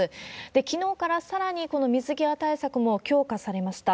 きのうからさらにこの水際対策も強化されました。